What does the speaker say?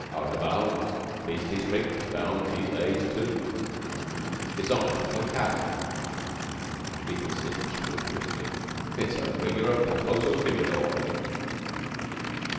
"Out of bounds. Bounds beastly strict these days, too. Besides, we shall cat." Beetle sniffed the cheroot critically. "It's a regular Pomposo Stinkadore."